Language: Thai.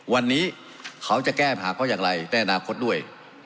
วันนี้เขาจะแก้ปัญหาเขาอย่างไรในอนาคตด้วย